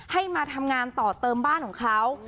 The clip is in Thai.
ให้มาทำงานต่อเติมบ้านของเขา